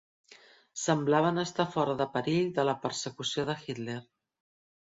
Semblaven estar fora de perill de la persecució de Hitler.